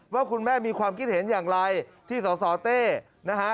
ว่าคุณแม่มีความคิดเห็นอย่างไรที่สสเต้นะฮะ